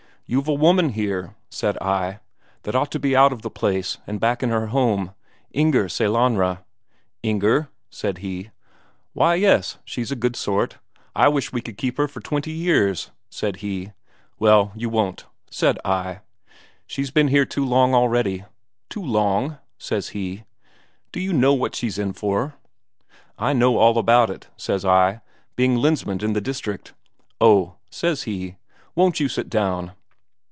'You've a woman here,' said I,' that ought to be out of the place, and back in her home Inger Sellanraa.' 'Inger?' said he; 'why, yes. She's a good sort I wish we could keep her for twenty years,' said he. 'Well, you won't,' said I. 'She's been here too long already.' 'Too long?' says he. 'Do you know what she's in for?' 'I know all about it,' says I, 'being Lensmand in the district.' 'Oh,' says he, 'won't you sit down?'